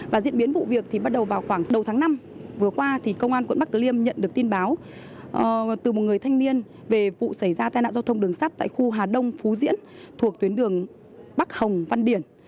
và diễn biến vụ việc thì bắt đầu vào khoảng đầu tháng năm vừa qua thì công an quận bắc tử liêm nhận được tin báo từ một người thanh niên về vụ xảy ra tai nạn giao thông đường sắt tại khu hà đông phú diễn thuộc tuyến đường bắc hồng văn điển